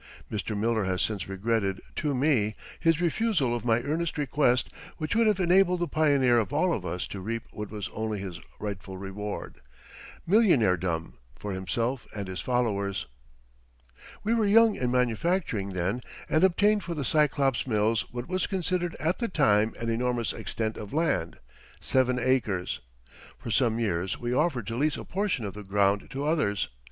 Mr. Miller has since regretted (to me) his refusal of my earnest request, which would have enabled the pioneer of all of us to reap what was only his rightful reward millionairedom for himself and his followers. We were young in manufacturing then and obtained for the Cyclops Mills what was considered at the time an enormous extent of land seven acres. For some years we offered to lease a portion of the ground to others.